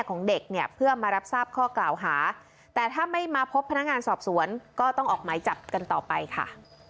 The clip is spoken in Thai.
การสอบสวนก็ต้องออกหมายจับกันต่อไปค่ะ